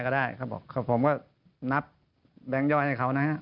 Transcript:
เขาบอกผมก็นับแบงค์ย่อยให้เขานะฮะ